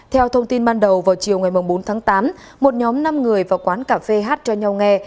theo thông tin ban đầu vào chiều ngày bốn tháng tám một nhóm năm người vào quán cà phê hát cho nhau nghe